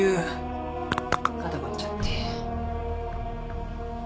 肩凝っちゃって。